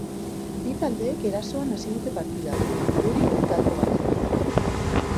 Bi taldeek erasoan hasi dute partida, baina bururik galdu gabe.